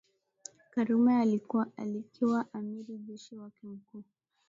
Karume akiwa amiri jeshi wake Mkuu